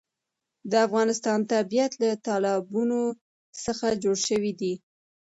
د افغانستان طبیعت له تالابونه څخه جوړ شوی دی.